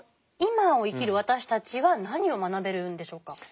今を生きる私たちは何を学べるんでしょうか？